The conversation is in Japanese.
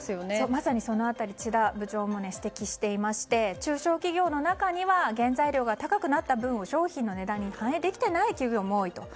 まさに、その辺りを智田部長も指摘していまして中小企業の中には原材料が高くなった分を商品の値段に反映できていない企業も多いと。